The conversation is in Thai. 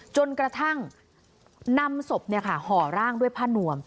จนกระทั่งนำศพห่อร่างด้วยผ้านวม